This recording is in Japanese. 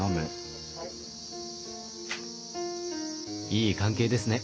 いい関係ですね。